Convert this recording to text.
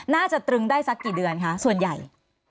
ตรึงได้สักกี่เดือนคะส่วนใหญ่